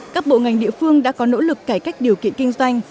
các bộ ngành địa phương đã có nỗ lực cải cách điều kiện kinh doanh